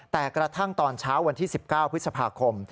แต่กระทั่งตอนเช้าวันที่๑๙พฤษภาคม